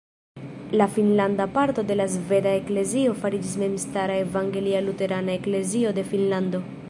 La finnlanda parto de la sveda eklezio fariĝis memstara Evangelia-Luterana Eklezio de Finnlando.